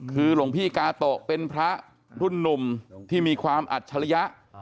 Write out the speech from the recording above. คือหลวงพี่กาโตะเป็นพระรุ่นหนุ่มที่มีความอัจฉริยะ